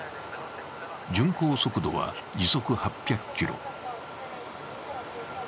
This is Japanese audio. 巡航速度は時速８００ｋｍ。